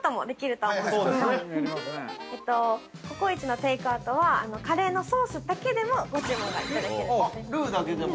ＣｏＣｏ壱のテイクアウトはカレーのソースだけでもご注文がいただけるんですね。